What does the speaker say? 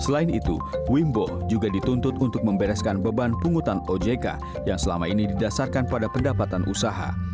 selain itu wimbo juga dituntut untuk membereskan beban pungutan ojk yang selama ini didasarkan pada pendapatan usaha